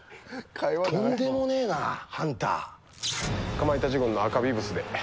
かまいたち軍の赤ビブスで。